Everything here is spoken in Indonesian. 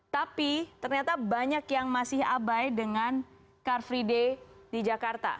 tapi ternyata banyak yang masih abai dengan car free day di jakarta